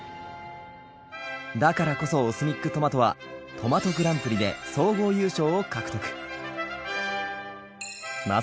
だからこそＯＳＭＩＣトマトはトマトグランプリで総合優勝を獲得。